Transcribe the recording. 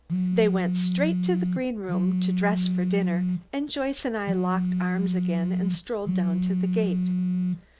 They went straight to the green room to dress for dinner, and Joyce and I locked arms again, and strolled down to the gate.